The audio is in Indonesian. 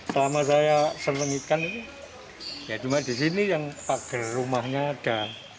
selama saya seneng ikan ya cuma di sini yang pagar rumahnya ada